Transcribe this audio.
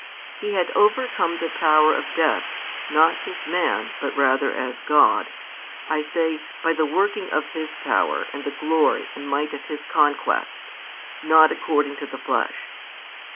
He had overcome the power of death, not as man but rather as God, I say by the working of His power and the glory and might of His conquest, not according to the flesh.